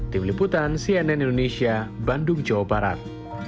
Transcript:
tim liputan cnn indonesia bandung jawa barat